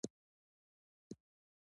د هرات په ادرسکن کې د سمنټو مواد شته.